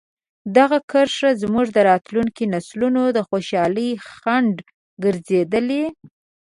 دغه کرښه زموږ د راتلونکي نسلونو د خوشحالۍ خنډ ګرځېدلې.